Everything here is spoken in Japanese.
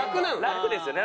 楽ですよね。